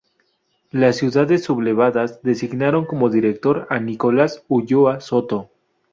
Las ciudades sublevadas designaron como Dictador a Nicolás Ulloa Soto.